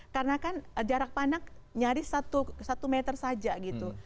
karena kan jarak panah nyaris satu meter saja gitu